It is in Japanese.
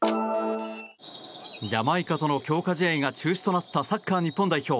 ジャマイカとの強化試合が中止となったサッカー日本代表。